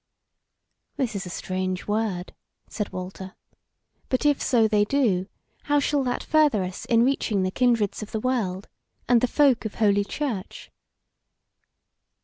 "This is a strange word," said Walter "but if so they do, how shall that further us in reaching the kindreds of the world, and the folk of Holy Church?"